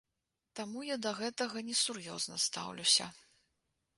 Таму я да гэтага несур'ёзна стаўлюся.